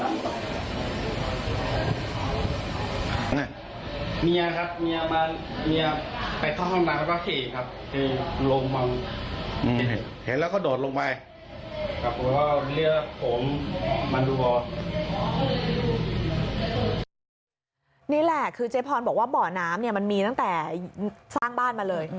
นี่แหละคือเจ๊พรบอกว่าบ่อน้ำมันมีตั้งแต่สร้างบ้านมาเลย